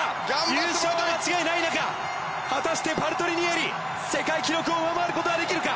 優勝は間違いない中果たして、パルトリニエリ世界記録を上回ることはできるか。